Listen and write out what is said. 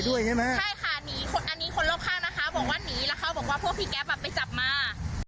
แล้วเขาบอกว่าพวกพี่แก๊บแบบไปจับมา